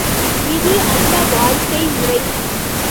இது அந்த வாழ்க்கைமுறை.